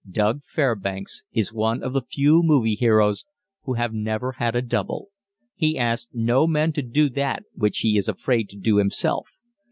"Doug" Fairbanks is one of the few movie heroes who have never had a "double." He asks no man to do that which he is afraid to do himself.